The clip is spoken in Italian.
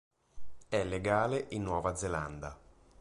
E' legale in Nuova Zelanda.